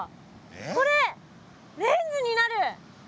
これレンズになる！